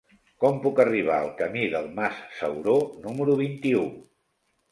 Com puc arribar al camí del Mas Sauró número vint-i-u?